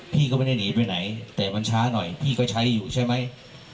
พี่ก็ไม่ได้หนีไปไหนแต่มันช้าหน่อยพี่ก็ใช้อยู่ใช่ไหม